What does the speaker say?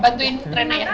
bantuin rena ya